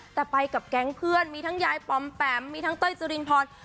แต่ไปกับแก๊งเพื่อนมีทั้งยายปอมแปมมีทั้งเต้ยสุรินพร